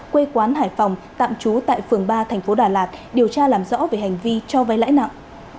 quê quán hải phòng tạm trú tại phường ba thành phố đà lạt điều tra làm rõ về hành vi cho vay lãi nặng